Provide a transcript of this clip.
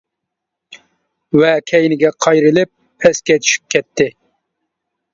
ۋە كەينىگە قايرىلىپ پەسكە چۈشۈپ كەتتى.